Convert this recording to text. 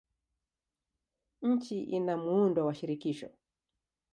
Nchi ina muundo wa shirikisho.